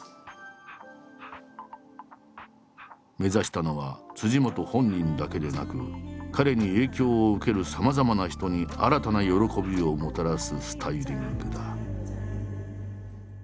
目指したのは本本人だけでなく彼に影響を受けるさまざまな人に新たな喜びをもたらすスタイリングだ。